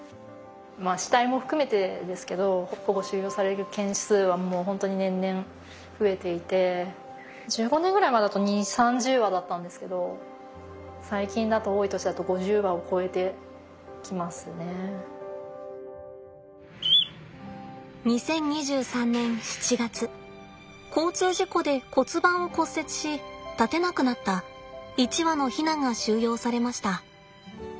死体も含めてですけど保護収容される件数はもう本当に年々増えていて２０２３年７月交通事故で骨盤を骨折し立てなくなった一羽のヒナが収容されました。